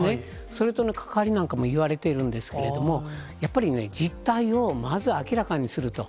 それとの関わりなんかもいわれているんですけれども、やっぱりね、実態をまず明らかにすると。